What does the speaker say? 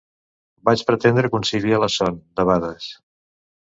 Vaig pretendre conciliar la son, debades.